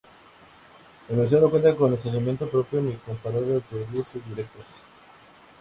El museo no cuenta con estacionamiento propio ni con paradas de buses directas.